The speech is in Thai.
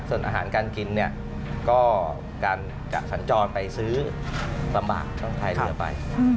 ส่วนอาหารการกินเนี่ยก็การจะสัญจรไปซื้อลำบากต้องพายเรือไป